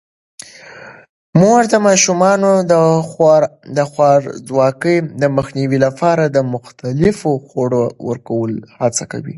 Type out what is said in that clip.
مور د ماشومانو د خوارځواکۍ د مخنیوي لپاره د مختلفو خوړو ورکولو هڅه کوي.